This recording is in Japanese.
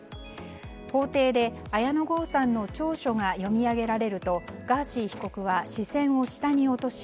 法廷で、綾野剛さんの調書が読み上げられるとガーシー被告は視線を下に落とし